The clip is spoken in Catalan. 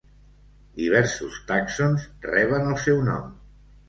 Diversos tàxons reben el seu nom.